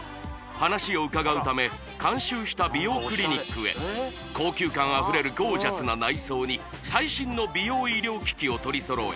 話を伺うため監修した美容クリニックへ高級感あふれるゴージャスな内装に最新の美容医療機器を取り揃え